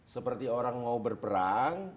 seperti orang mau berperang